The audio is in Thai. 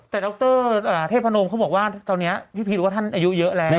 แต่ดรเทพนมเขาบอกว่าตอนนี้พี่พีชรู้ว่าท่านอายุเยอะแล้ว